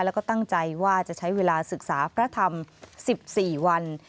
แล้วก็ตั้งใจว่าจะใช้เวลาศึกษาพระธรรม๑๔วัน